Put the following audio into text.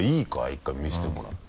１回見せてもらって。